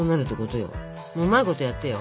ウマいことやってよ。